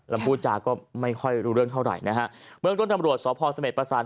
ลำบูชาก็ไม่ค่อยรู้สึกอำนวยว่าเท่าไหร่